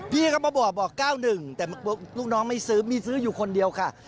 พี่เขามาบอกบอก๙๑แต่ลูกน้องไม่ซื้อมีซื้ออยู่คนเดียวค่ะ